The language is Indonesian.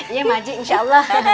iya maji insya allah